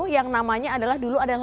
yang namanya adalah dulu ada lajar